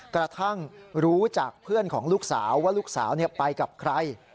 กระทั่งรู้จากเพื่อนของลูกสาวว่าลูกสาวไปกับใคร